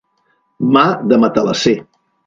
Mà de matalasser.